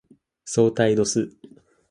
相対度数